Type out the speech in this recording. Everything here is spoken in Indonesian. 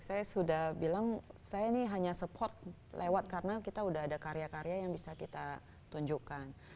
saya sudah bilang saya ini hanya support lewat karena kita sudah ada karya karya yang bisa kita tunjukkan